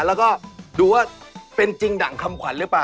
แล้วก็ดูว่าเป็นจริงดั่งคำขวัญหรือเปล่า